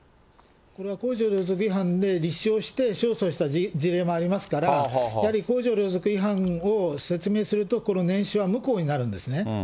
これは公序良俗違反で立証して勝訴した事例もありますから、やはり公序良俗違反を説明すると、この念書は無効になるんですね。